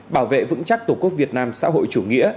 bảo vệ vững chắc tổ quốc việt nam xã hội chủ nghĩa